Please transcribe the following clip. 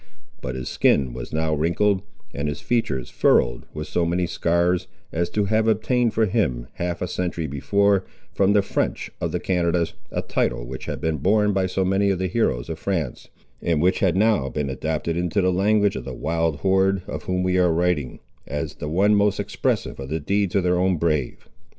But his skin was now wrinkled, and his features furrowed with so many scars, as to have obtained for him, half a century before, from the French of the Canadas, a title which has been borne by so many of the heroes of France, and which had now been adopted into the language of the wild horde of whom we are writing, as the one most expressive of the deeds of their own brave.